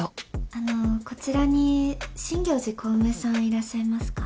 あのこちらに真行寺小梅さんいらっしゃいますか？